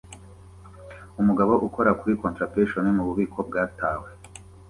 Umugabo ukora kuri contraption mububiko bwatawe